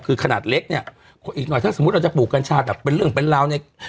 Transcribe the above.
คือขนาดเล็กเนี่ยอีกหน่อยถ้าสมมุติเราจะปลูกกัญชาแบบเป็นเรื่องเป็นราวใน